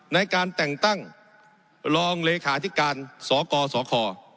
ในการแต่งตั้งรองเลขาธิการสกสค